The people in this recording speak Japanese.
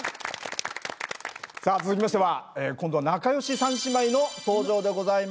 さあ続きましては今度は仲良し三姉妹の登場でございます。